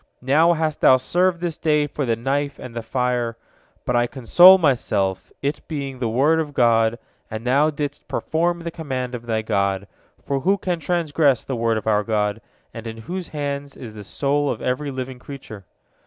Now hast thou served this day for the knife and the fire. But I console myself, it being the word of God, and thou didst perform the command of thy God, for who can transgress the word of our God, in whose hands is the soul of every living creature?